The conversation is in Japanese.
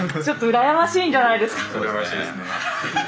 羨ましいですね。